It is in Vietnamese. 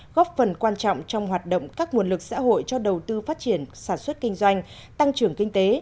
góp phần quan trọng trong hoạt động các nguồn lực xã hội cho đầu tư phát triển sản xuất kinh doanh tăng trưởng kinh tế